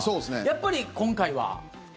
やっぱり今回は。